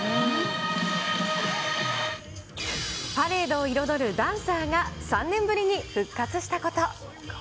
パレードを彩るダンサーが３年ぶりに復活したこと。